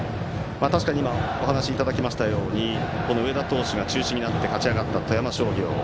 確かにお話いただきましたように上田投手を中心に勝ち上がった富山商業。